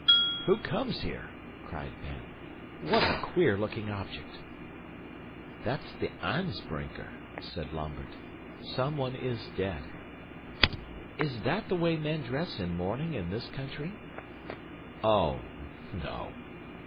"Who comes here?" cried Ben. "What a queer looking object." "That's the aanspreeker," said Lambert. "Someone is dead." "Is that the way men dress in mourning in this country?" "Oh, no!